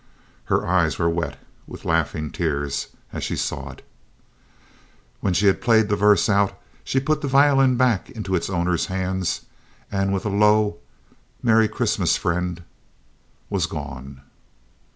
Her eyes were wet with laughing tears as she saw it. When she had played the verse out, she put the violin back into its owner's hands and with a low "Merry Christmas, friend!" was gone.